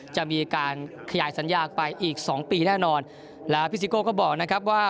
จะมีการขยายสัญญาไปอีกสองปีแน่นอนแล้วพี่ซิโก้ก็บอกนะครับว่า